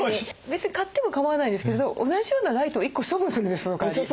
別に買っても構わないんですけど同じようなライトを１個処分するんですそのかわり。